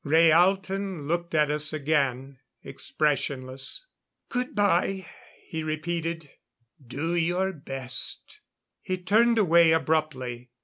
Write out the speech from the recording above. Rhaalton looked at us again, expressionless. "Good by," he repeated. "Do your best." He turned away abruptly.